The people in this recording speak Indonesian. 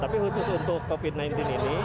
tapi khusus untuk covid sembilan belas ini